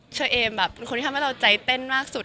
เชอเอมแบบเป็นคนที่ทำให้เราใจเต้นมากสุด